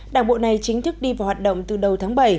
đảng bộ này chính thức đi vào hoạt động từ đầu tháng bảy